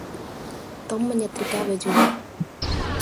Tom menyetrika bajunya.